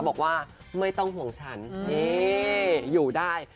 บอกว่าไม่ต้องห่วงฉันนี่อยู่ได้